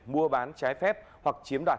mua bán trái phép hoặc chiếm đoạt